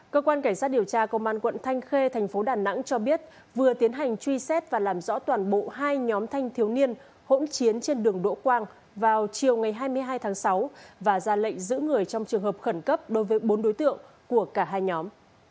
cơ quan cảnh sát điều tra công an quận thanh khê thành phố đà nẵng cho biết vừa tiến hành truy xét và làm rõ toàn bộ hai nhóm thanh thiếu niên hỗn chiến trên đường đỗ quang vào chiều ngày hai mươi hai tháng sáu và ra lệnh giữ người trong trường hợp khẩn cấp đối với bốn đối tượng của cả hai nhóm